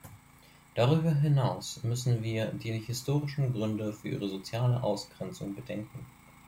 Darüber hinaus müssen wir die historischen Gründe für ihre soziale Ausgrenzung bedenken.